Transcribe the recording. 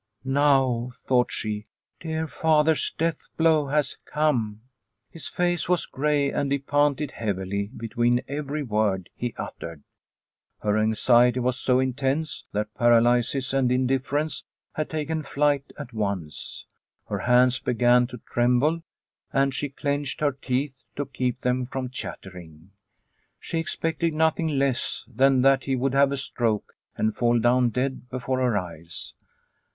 "Now," thought she, "dear father's death blow has come." His face was grey and he panted heavily between every word he uttered. Her anxiety was so intense that paralysis and in difference had taken flight at once. Her hands began to tremble and she clenched her teeth to keep them from chattering. She expected nothing less than that he would have a stroke and fall down dead before her eyes.